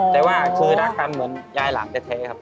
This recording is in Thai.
แต่ว่าเคยรักกันเหมือนยายหลานแท้ครับ